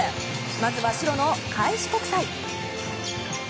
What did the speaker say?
まずは白の開志国際。